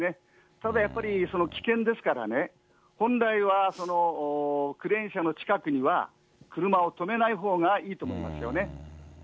ただやっぱり、危険ですからね、本来はクレーン車の近くには車を止めないほうがいいと思いますよ